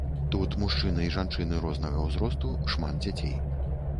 Тут мужчыны і жанчыны рознага ўзросту, шмат дзяцей.